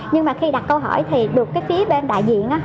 nhưng mà khi đặt câu hỏi thì được cái phía bên đại diện